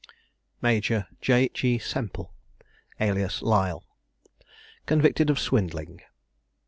MAJOR J. G. SEMPLE, alias LISLE. CONVICTED OF SWINDLING.